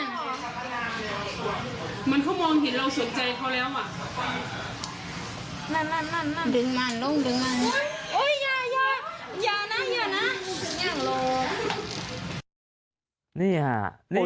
นี่เหรอ